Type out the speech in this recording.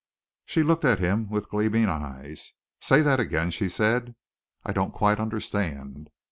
She looked at him with gleaming eyes. "Say that again," she said. "I don't quite understand."